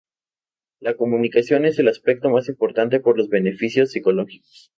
La comunicación es el aspecto más importante por sus beneficios psicológicos.